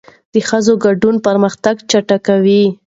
د ښځو ګډون پرمختګ چټکوي.